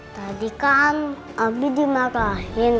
tadi kan abis dimarahin